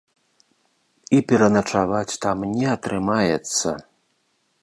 І пераначаваць там не атрымаецца.